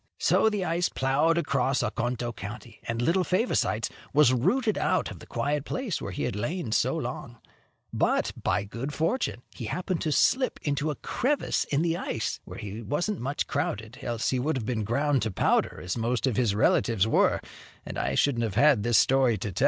So the ice plowed across Oconto County, and little Favosites was rooted out from the quiet place where he had lain so long; but, by good fortune, he happened to slip into a crevice in the ice, where he wasn't much crowded, else he would have been ground to powder, as most of his relatives were, and I shouldn't have had this story to tell.